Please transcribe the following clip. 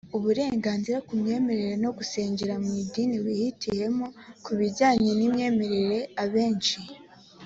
uburenganzira ku myemerere no gusengera mu idini wihitiyemo ku bijyanye n imyemerere abenshi